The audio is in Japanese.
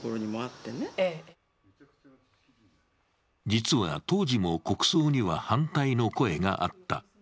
実は当時も国葬には反対の声があった。